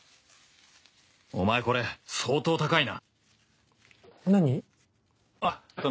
お前これ相当高いな